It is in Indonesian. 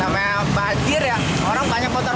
sampai banjir ya orang banyak motor